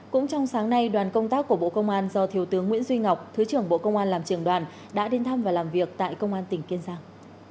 cũng trong sáng nay đoàn công tác của bộ công an do thiếu tướng nguyễn duy ngọc thứ trưởng bộ công an làm trường đoàn đã đến thăm và làm việc tại công an tỉnh kiên giang